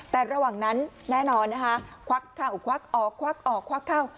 แต่ระหว่างนั้นแน่นอนควักเข้าควักออกควักเข้า